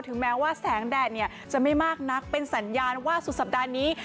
แม้ว่าแสงแดดเนี่ยจะไม่มากนักเป็นสัญญาณว่าสุดสัปดาห์นี้